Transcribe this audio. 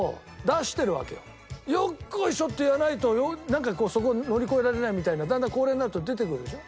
「よっこいしょ」って言わないとなんかそこ乗り越えられないみたいなだんだん高齢になると出てくるでしょ？